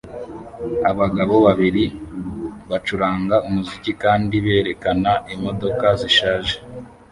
Abagabo babiri bacuranga umuziki kandi berekana imodoka zishaje